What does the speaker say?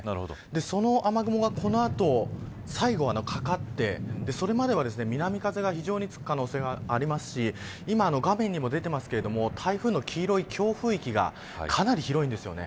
その雨雲が、この後かかって、南風が非常に吹く可能性がありますし今、画面にも出てますけど台風の黄色い強風域がかなり広いんです。